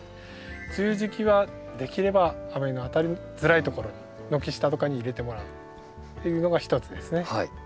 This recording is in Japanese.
梅雨時期はできれば雨の当たりづらいところに軒下とかに入れてもらうっていうのが一つですね。